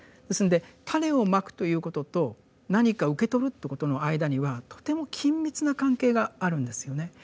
ですので種を蒔くということと何か受け取るということの間にはとても緊密な関係があるんですよね。